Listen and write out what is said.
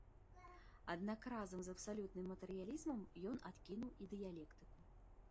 Аднак разам з абсалютным матэрыялізмам ён адкінуў і дыялектыку.